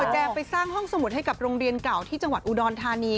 แจมไปสร้างห้องสมุดให้กับโรงเรียนเก่าที่จังหวัดอุดรธานี